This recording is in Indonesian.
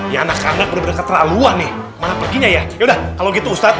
ya anak anak bener bener keterlaluan nih malah perginya ya udah kalau gitu ustadz